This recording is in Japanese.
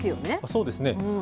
そうですね。